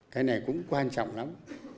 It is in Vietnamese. cái này cũng quan trọng lắm